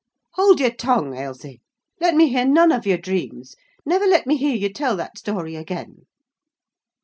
"Hold your tongue, Ailsie! let me hear none of your dreams; never let me hear you tell that story again!"